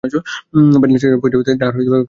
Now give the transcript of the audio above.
ব্যান্ডেল স্টেশনে পৌঁছিয়া তাহারা গাড়ি হইতে নামিল।